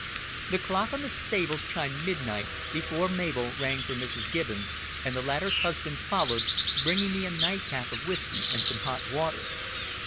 The clock on the stables chimed midnight before Mabel rang for Mrs. Gibbons, and the latter's husband followed, bringing me a night cap of whisky and some hot water.